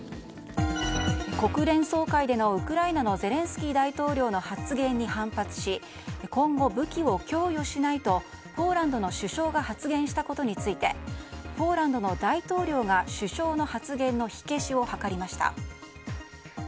国連総会でのウクライナのゼレンスキー大統領の発言に反発し今後、武器を供与しないとポーランドの首相が発言したことについてポーランドの大統領が首相の発言の火消しを図りました。